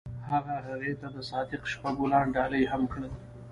هغه هغې ته د صادق شپه ګلان ډالۍ هم کړل.